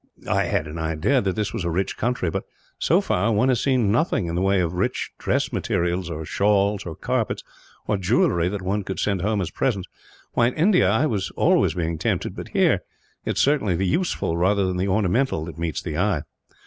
I had an idea that this was a rich country but, so far, one has seen nothing in the way of rich dress materials, or shawls, or carpets, or jewelry that one could send home as presents. Why, in India I was always being tempted; but here it is certainly the useful, rather than the ornamental, that meets the eye."